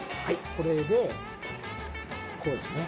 これでこうですね。